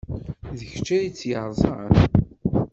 D kečč ay tt-yerẓan?